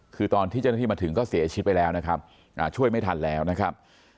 คือตอนที่เจ้าหน้าที่มาถึงก็เสียชีวิตไปแล้วนะครับช่วยไม่ทันแล้วนะครับ